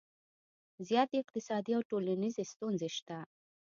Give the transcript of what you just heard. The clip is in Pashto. زیاتې اقتصادي او ټولنیزې ستونزې شته